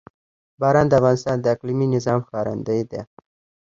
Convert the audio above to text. باران د افغانستان د اقلیمي نظام ښکارندوی ده.